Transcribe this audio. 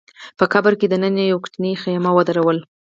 په قبر کي دننه يې يوه کوچنۍ خېمه ودروله